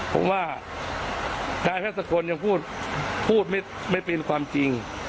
ผมว่านายแพทย์สกลยังพูดพูดไม่เป็นความจริง